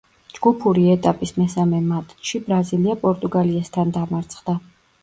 ჯგუფური ეტაპის მესამე მატჩში ბრაზილია პორტუგალიასთან დამარცხდა.